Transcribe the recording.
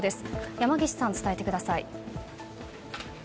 山岸さん、伝えてください。